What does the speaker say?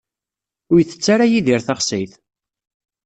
Ur itett ara Yidir taxsayt.